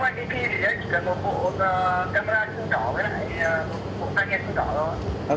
à thế ạ